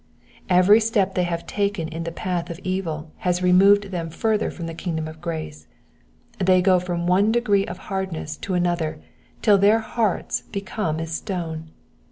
Every step they have taken in the path of evil has re moved them further from the kingdom of grace : they go from one degree of hardness to another till their hearts become as stone.